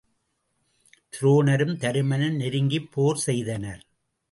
துரோணனும் தருமனும் நெருங்கிப் போர் செய்தனர்.